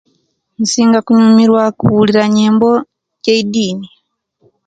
Nsinga kunyumiruwa kubulira nyembo jedini